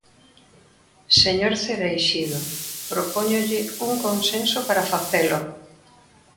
Señor Cereixido, propóñolle un consenso para facelo.